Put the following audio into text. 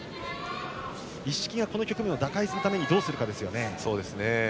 一色がこの局面を打開するためにどうするかですよね。